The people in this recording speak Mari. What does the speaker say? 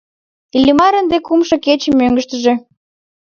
Иллимар ынде кумшо кече мӧҥгыштыжӧ.